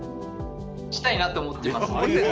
したいなって思ってますね。